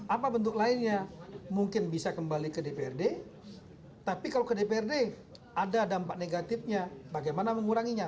apa bentuk lainnya mungkin bisa kembali ke dprd tapi kalau ke dprd ada dampak negatifnya bagaimana menguranginya